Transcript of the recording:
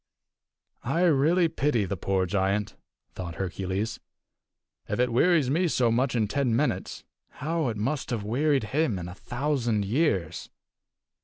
"I really pity the poor giant," thought Hercules. "If it wearies me so much in ten minutes, how it must have wearied him in a thousand years!"